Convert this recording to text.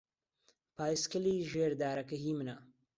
پایسکلی ژێر دارەکە هیی منە.